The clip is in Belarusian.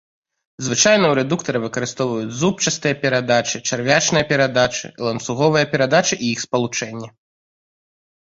Звычайна ў рэдуктары выкарыстоўваюць зубчастыя перадачы, чарвячныя перадачы, ланцуговыя перадачы і іх спалучэнні.